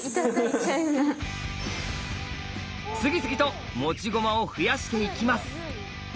次々と持ち駒を増やしていきます。